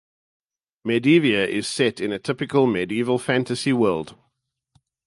Medievia is set in a typical medieval fantasy world.